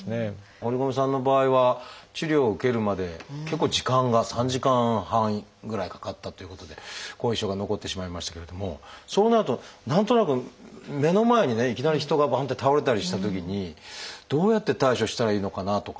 堀米さんの場合は治療を受けるまで結構時間が３時間半ぐらいかかったっていうことで後遺症が残ってしまいましたけれどもそうなると何となく目の前にねいきなり人がバンって倒れたりしたときにどうやって対処したらいいのかなとか。